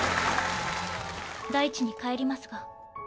「大地に返りますが」